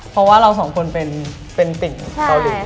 เพราะว่าเราสองคนเป็นติ่งเกาหลี